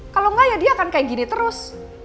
kalau enggak ya dia akan kayak gini terus